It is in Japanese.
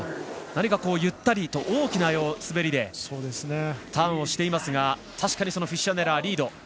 ゆったりと大きな滑りでターンをしていますが確かにフィッシャネラーがリード。